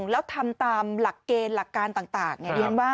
แล้วทำตามหลักเกณฑ์หลักการต่าง